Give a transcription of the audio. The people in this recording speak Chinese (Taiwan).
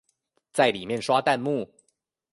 在裡面刷彈幕